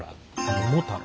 桃太郎。